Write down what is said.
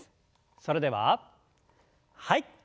それでははい。